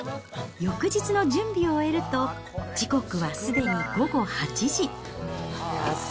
翌日の準備を終えると、時刻はすでに午後８時。